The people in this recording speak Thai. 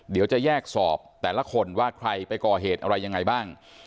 เดี๋ยวจะแยกสอบแต่ละคนว่าใครไปก่อเหตุอะไรยังไงบ้าง